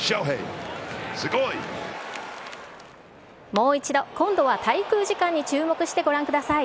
もう一度、今度は滞空時間に注目してご覧ください。